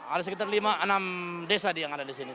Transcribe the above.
ada sekitar lima enam desa yang ada di sini